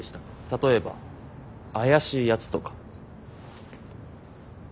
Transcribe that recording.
例えば怪しいやつとか。